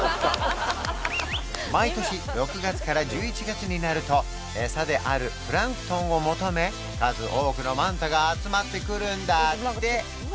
毎年６月から１１月になると餌であるプランクトンを求め数多くのマンタが集まってくるんだって！